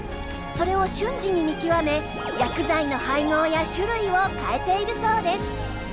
それを瞬時に見極め薬剤の配合や種類を変えているそうです。